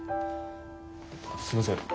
すいません。